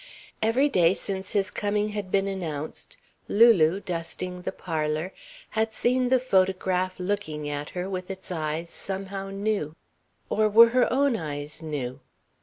Every day since his coming had been announced Lulu, dusting the parlour, had seen the photograph looking at her with its eyes somehow new. Or were her own eyes new?